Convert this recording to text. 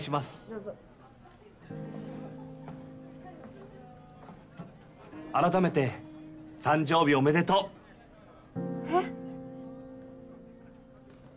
・どうぞ・改めて誕生日おめでとうえっ？